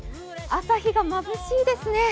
朝日がまぶしいですね。